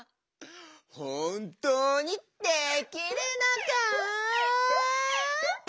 ほんとうにできるのか？